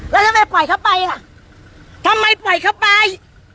แล้วทำไมปล่อยเขาไปล่ะทำไมปล่อยเขาไป